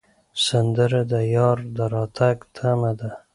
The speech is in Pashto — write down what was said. سندره د یار د راتګ تمه ده